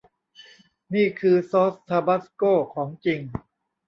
นี่คือซอสทาบาสโก้ของจริง